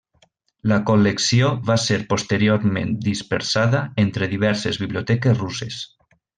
La col·lecció va ser posteriorment dispersada entre diverses biblioteques russes.